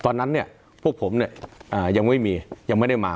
ตอนนั้นเนี่ยพวกผมเนี่ยยังไม่มียังไม่ได้มา